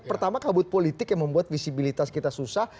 pertama kabut politik yang membuat visibilitas kita susah